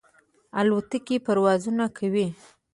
الوتکې پروازونه کوي.